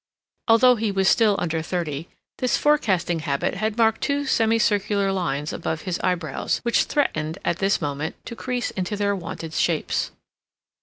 Although he was still under thirty, this forecasting habit had marked two semicircular lines above his eyebrows, which threatened, at this moment, to crease into their wonted shapes.